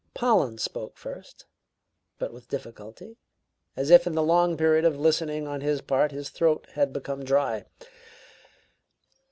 Pollen spoke first, but with some difficulty, as if in the long period of listening on his part his throat had become dry.